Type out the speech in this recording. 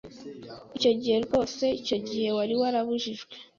Icyo gihe rwose icyo gihe wari warabujijwe